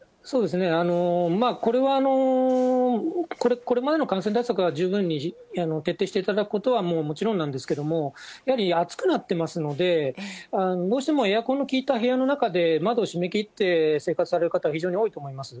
これはこれまでの感染対策を十分に徹底していただくことはもちろんなんですけども、やはり暑くなってますので、どうしてもエアコンの効いた部屋の中で窓を閉めきって生活される方、非常に多いと思います。